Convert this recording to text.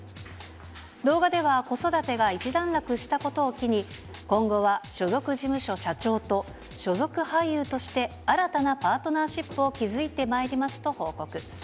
動画では、子育てが一段落したことを機に、今後は所属事務所社長と、所属俳優として新たなパートナーシップを築いてまいりますと報告。